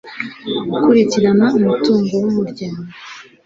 gukurikirana umutungo w umuryango